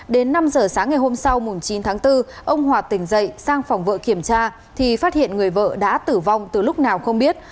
đến năm giờ sáng ngày hôm sau chín tháng bốn ông hòa tỉnh dậy sang phòng vợ kiểm tra thì phát hiện người vợ đã tử vong từ lúc nào không biết